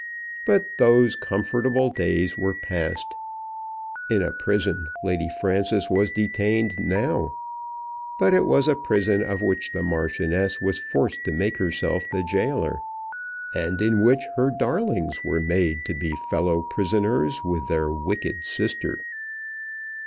But those comfortable days were past. In a prison Lady Frances was detained now; but it was a prison of which the Marchioness was forced to make herself the gaoler, and in which her darlings were made to be fellow prisoners with their wicked sister.